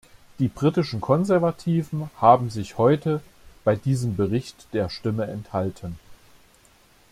Die britischen Konservativen haben sich heute bei diesem Bericht der Stimme enthalten.